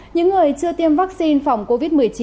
những người chưa tiêm vaccine phòng covid một mươi chín